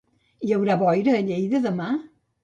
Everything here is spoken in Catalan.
Hi haurà boira a Lleida demà?